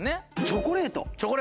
チョコレート。